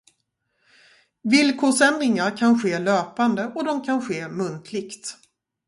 Villkorsändringar kan ske löpande och de kan ske muntligt.